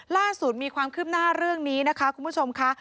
ล่าสุดมีความคืบหน้าเรื่องนี้นะคะคุณผู้ชมค่ะ